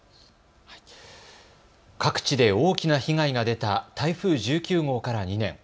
各地で大きな被害が出た台風１９号から２年。